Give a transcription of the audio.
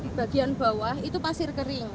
di bagian bawah itu pasir kering